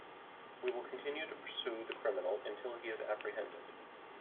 We will continue to pursue the criminal until he is apprehended.